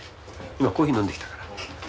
今コーヒー飲んできたから。